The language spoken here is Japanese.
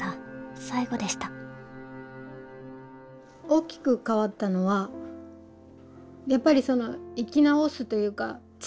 大きく変わったのはやっぱりその生き直すというか小さな輪廻ですよね。